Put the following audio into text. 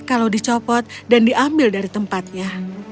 kalau dicopot dan diambil dari tempatnya